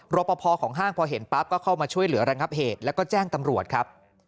รอปภของห้างพอเห็นปั๊บก็เข้ามาช่วยเหลือระงับเหตุแล้วก็แจ้งตำรวจครับ